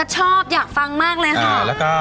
ชอบอยากฟังมากเลยค่ะ